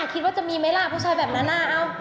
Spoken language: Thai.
คิดว่าจะมีไหมล่ะผู้ชายแบบนั้น